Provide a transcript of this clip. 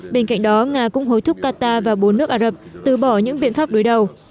bên cạnh đó nga cũng hối thúc qatar và bốn nước ả rập từ bỏ những biện pháp đối đầu